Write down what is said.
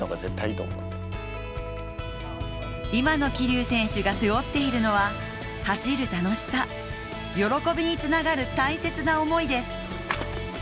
今の桐生選手が背負っているのは走る楽しさ、喜びにつながる大切な思いです。